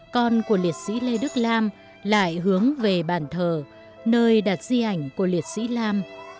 con của liệt sĩ lê đức lam lại hướng về bàn thờ nơi đặt di ảnh của liệt sĩ lam